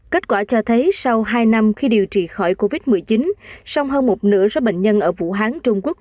kết quả cho thấy sau hai năm khi điều trị khỏi covid một mươi chín song hơn một nửa số bệnh nhân ở vũ hán trung quốc